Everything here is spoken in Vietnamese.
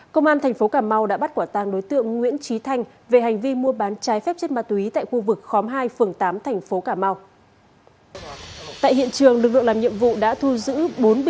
công an tp hcm đã bắt quả tàng đối tượng nguyễn trí thanh về hành vi mua bán trái phép chất ma túy tại khu vực khóm hai phường tám tp hcm